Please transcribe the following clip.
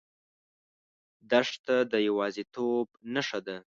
دښته د یوازیتوب نښه ده.